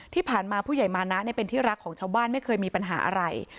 ที่ผ่านมาผู้ใหญ่มานะเป็นที่รักของชาวบ้านไม่เคยมีปัญหาอะไร